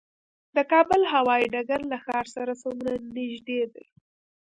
د کابل هوايي ډګر له ښار سره څومره نږدې دی؟